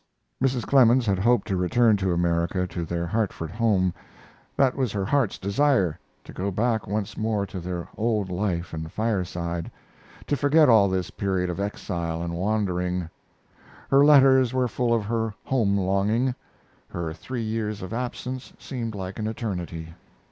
Mrs. Clemens had hoped to return to America, to their Hartford home. That was her heart's desire to go back once more to their old life and fireside, to forget all this period of exile and wandering. Her letters were full of her home longing; her three years of absence seemed like an eternity.